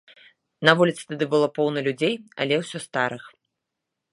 На вуліцы тады было поўна людзей, але ўсё старых.